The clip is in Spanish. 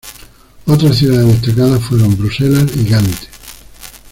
Otras ciudades destacadas fueron Bruselas y Gante.